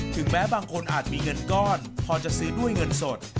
แม้บางคนอาจมีเงินก้อนพอจะซื้อด้วยเงินสด